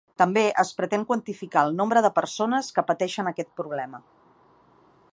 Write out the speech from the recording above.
També es pretén quantificar el nombre de persones que pateixen aquest problema.